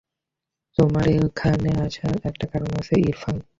তোমার এখানে আসার একটা কারণ আছে, ইরফান।